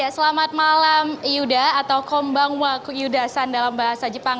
selamat malam iyuda atau kombang wak iyudasan dalam bahasa jepang